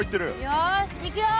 よしいくよ！